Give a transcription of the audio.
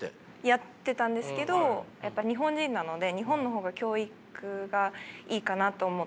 やってたんですけどやっぱ日本人なので日本の方が教育がいいかなと思って。